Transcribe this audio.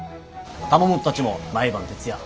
玉本たちも毎晩徹夜。